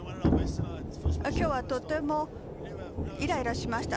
今日は、とてもイライラしました。